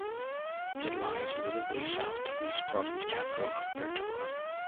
It lies a little way south of East Province capital of Bertoua.